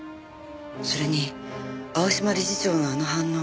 それに青嶋理事長のあの反応。